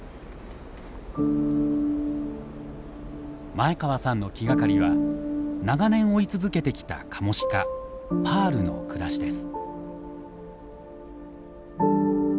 前川さんの気がかりは長年追い続けてきたカモシカパールの暮らしです。